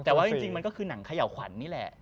แต่ว่าจริงมันก็คือหนังเขย่าขวัญนี่แหละ